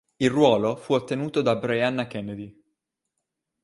Il ruolo fu ottenuto da Brianna Kennedy.